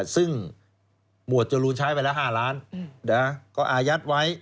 ซึ่งหมวดจรูนใช้ไปแล้ว๕ล้านก็อายัดไว้